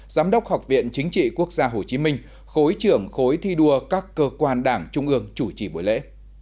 giám đốc học viện chính trị quốc gia hồ chí minh khối trưởng khối thi đua các cơ quan đảng trung ương chủ trì buổi lễ